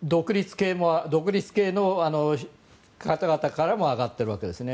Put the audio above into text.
独立系の方々からも上がっているわけですね。